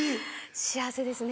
幸せですね。